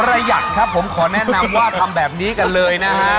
หยัดครับผมขอแนะนำว่าทำแบบนี้กันเลยนะฮะ